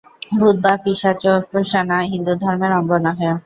ভূত বা পিশাচোপাসনা হিন্দুধর্মের অঙ্গ নহে।